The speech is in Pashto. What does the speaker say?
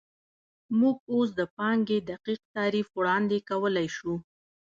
موږ اوس د پانګې دقیق تعریف وړاندې کولی شو